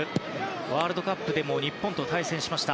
ワールドカップでも日本と対戦しました。